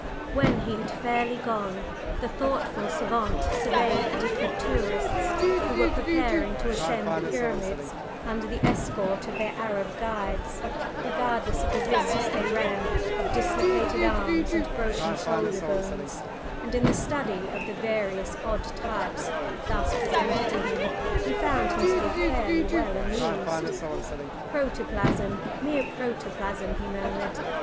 When he had fairly gone, the thoughtful savant surveyed the different tourists who were preparing to ascend the Pyramids under the escort of their Arab guides, regardless of the risks they ran of dislocated arms and broken shoulder bones, and in the study of the various odd types thus presented to him, he found himself fairly well amused. "Protoplasm mere protoplasm!" he murmured.